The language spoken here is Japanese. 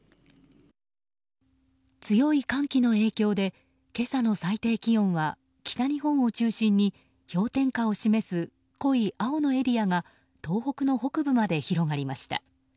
強い寒気の影響で今朝の最低気温は北日本を中心に氷点下を示す濃い青のエリアが東北の北部まで広がりました。